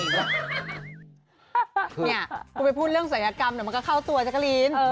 เนี่ยกูไปพูดเรื่องสายนัดกรรมเนี่ยมันก็เข้าตัวจ้ะจั๊กรีน